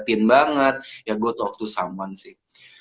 batin banget ya gue talk to someone sih